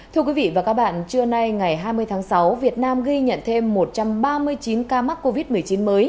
thưa quý vị và các bạn trưa nay ngày hai mươi tháng sáu việt nam ghi nhận thêm một trăm ba mươi chín ca mắc covid một mươi chín mới